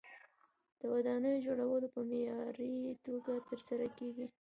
د ودانیو جوړول په معیاري توګه ترسره کیږي.